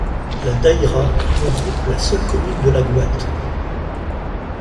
La daïra regroupe la seule commune de Laghouat.